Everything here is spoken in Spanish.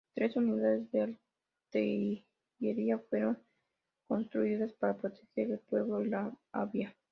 Tres unidades de artillería fueron construidas para proteger el pueblo y la bahía.